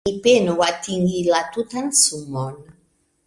Ni penu atingi la tutan sumon.